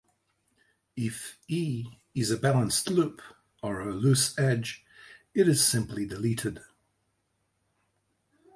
If "e" is a balanced loop or a loose edge, it is simply deleted.